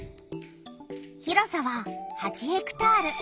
広さは８ヘクタール。